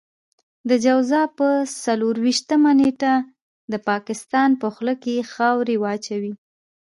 د جوزا په څلور وېشتمه نېټه د پاکستان په خوله کې خاورې واچوئ.